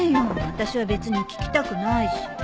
私は別に聞きたくないし。